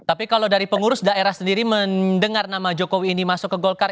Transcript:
tapi kalau dari pengurus daerah sendiri mendengar nama jokowi ini masuk ke golkar